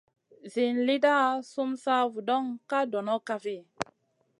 Zin lida sum sa vuŋa ka dono kafi ?